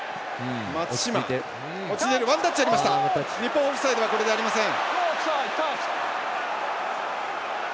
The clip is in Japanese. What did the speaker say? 日本、オフサイドはありません。